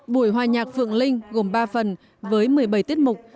buổi hòa nhạc phượng linh gồm ba phần với một mươi bảy tiết mục